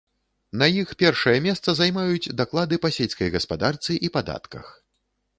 На іх першае месца займаюць даклады па сельскай гаспадарцы і падатках.